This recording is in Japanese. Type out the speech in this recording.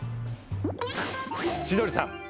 千鳥さん